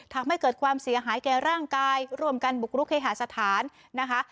ทำให้เกิดความเสียหายแก่ร่างกายร่วมกันบุกรุกเคหาสถานนะคะ